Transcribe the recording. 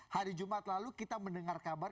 hari jumat lalu kita mendengar kabar